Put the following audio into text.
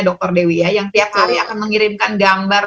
dr dewi yang tiap hari akan mengirimkan gambar